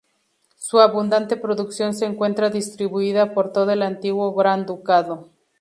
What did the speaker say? Su abundante producción se encuentra distribuida por todo el antiguo Gran ducado.